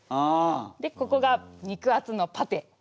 でここが肉厚のパテ。